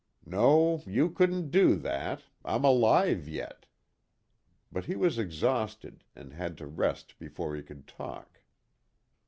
"No, you couldn't do that I'm alive yet." But he was exhausted and had to rest before he could talk.